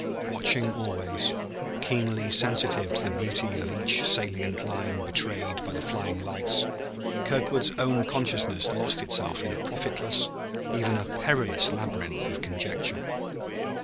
Watching always, keenly sensitive to the beauty of each salient line betrayed by the flying lights, Kirkwood's own consciousness lost itself in a profitless, even a perilous labyrinth of conjecture.